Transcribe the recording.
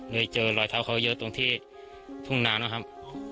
เจอรอยเท้าเขาเยอะตรงที่ทุ่งนานะครับ